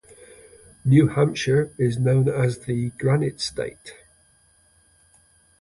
New Hampshire is known as the Granite State.